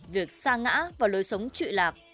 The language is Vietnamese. việc xa ngã và lối sống trụi lạc